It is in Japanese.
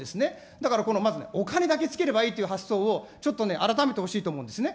だからこのまずね、お金だけつければいいという発想を、ちょっとね、改めてほしいと思うんですね。